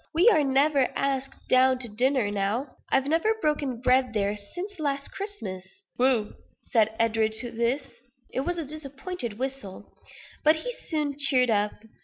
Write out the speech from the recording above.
We are never asked down to dinner now. I've never broken bread there since last Christmas." "Whew!" said Edward to this. It was a disappointed whistle; but he soon cheered up.